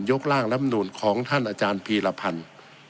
ร่างลำนูนของท่านอาจารย์พีรพันธ์